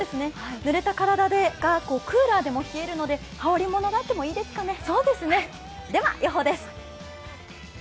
ぬれた体がクーラーで冷えるので羽織りものがあってもいいですかね。